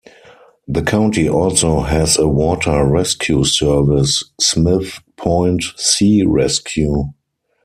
The county also has a water rescue service, Smith Point Sea Rescue.